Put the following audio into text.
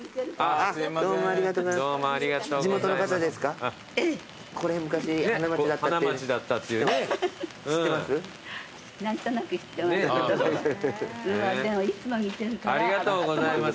ありがとうございます。